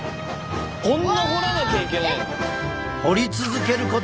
こんな掘らなきゃいけないの？